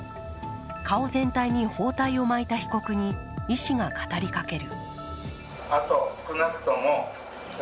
顔全体に包帯を巻いた被告に医師が語りかける。